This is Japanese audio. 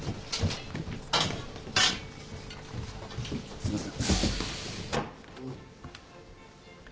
すいません。